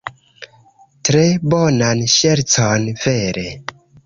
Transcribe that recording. Tre bonan ŝercon, vere.